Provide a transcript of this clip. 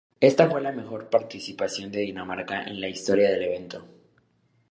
Esta fue la mejor participación de Dinamarca en la historia del evento.